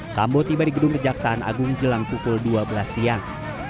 sambo tiba di gedung kejaksaan agung jelang pukul dua belas siang